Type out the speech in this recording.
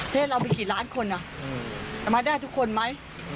เทศเรามีกี่ล้านคนอ่ะสมะได้ทุกคนไหม